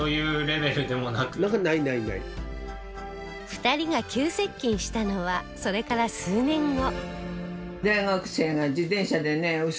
２人が急接近したのはそれから数年後